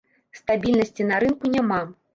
Стабільнасці на рынку няма.